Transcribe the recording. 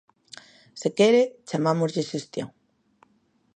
Se quere, chamámoslle xestión.